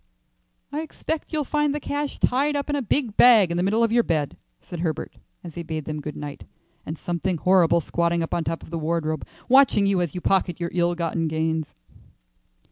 "I expect you'll find the cash tied up in a big bag in the middle of your bed," said Herbert, as he bade them good night, "and something horrible squatting up on top of the wardrobe watching you as you pocket your ill gotten gains."